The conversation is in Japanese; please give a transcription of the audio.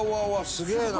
すげえな！